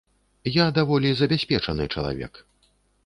Я даволі забяспечаны чалавек.